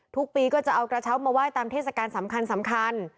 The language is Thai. ทุกปีก็จะเอากระเช้ามาไหว้ตามเทศกาลสำคัญ